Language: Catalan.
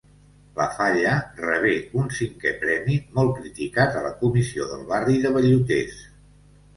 La falla rebé un cinqué premi molt criticat a la comissió del barri de Velluters.